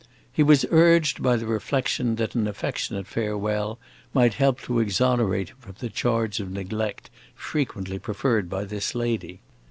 He was urged by the reflection that an affectionate farewell might help to exonerate him from the charge of neglect frequently preferred by this lady.